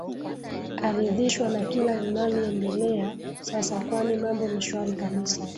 aridhishwa na kila linaliendelea sasa kwani mambo ni shwari kabisa